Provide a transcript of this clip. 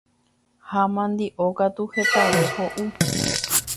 ha mandi'o katu hetave ho'u